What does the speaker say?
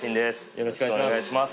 よろしくお願いします。